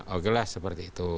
oke lah seperti itu